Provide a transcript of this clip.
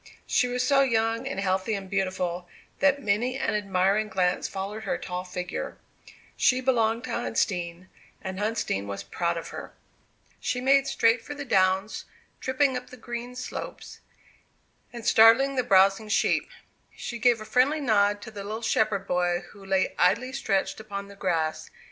She was so young and healthy and beautiful that many an admiring glance followed her tall figure. She belonged to Huntsdean, and Huntsdean was proud of her. [Illustration: On she went through the village. Page 191.] She made straight for the downs, tripping up the green slopes, and startling the browsing sheep. She gave a friendly nod to the little shepherd boy who lay idly stretched upon the grass.